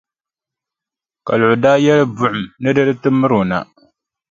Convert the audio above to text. Kaluɣi daa yɛli buɣum ni di di ti miri o na.